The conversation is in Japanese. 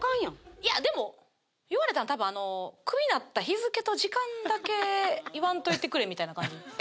いやでも言われたん多分あの「クビなった日付と時間だけ言わんといてくれ」みたいな感じ。